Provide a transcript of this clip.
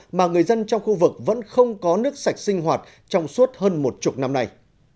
và những lý do mà người dân trong khu vực vẫn không có nước sạch sinh hoạt trong suốt hơn một chục năm nay